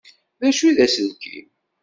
D acu i d aselkim?